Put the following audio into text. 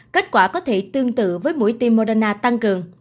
kết quả có thể tương tự với mũi tim moderna tăng cường